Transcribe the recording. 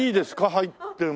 入っても。